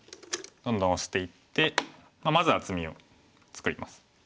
どんどんオシていってまず厚みを作ります。